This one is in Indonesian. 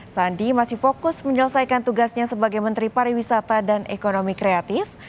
sandi masih fokus menyelesaikan tugasnya sebagai menteri pariwisata dan ekonomi kreatif